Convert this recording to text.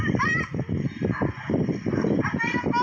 โอ้โหเป็นเกิดขึ้นกันกันก่อนค่ะ